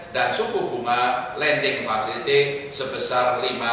dan suku bunga lending facility sebesar lima dua puluh lima